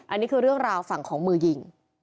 อันนี้คือเรื่องราวฝั่งของมือยิง